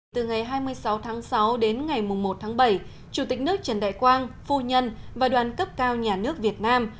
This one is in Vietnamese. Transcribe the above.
từ ngày hai mươi sáu tháng sáu đến ngày một tháng bảy chủ tịch nước trần đại quang phu nhân và đoàn cấp cao nhà nước việt nam